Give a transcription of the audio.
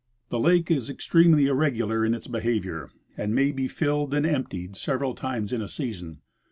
The lake is extremely irregular in its behavior, and may be filled and emptied several times in a season.